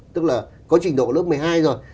tức là có trình độ lớp một mươi hai rồi